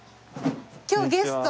今日ゲスト。